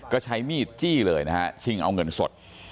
ก็ใช้มีดจี้เลยนะฮะชิงเอาเงินสด